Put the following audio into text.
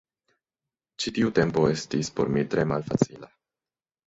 Ĉi tiu tempo estis por mi tre malfacila.